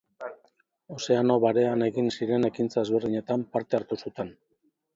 Ozeano Barean egin ziren ekintza ezberdinetan parte hartu zuten.